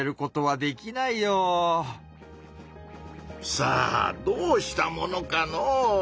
さあどうしたものかのう。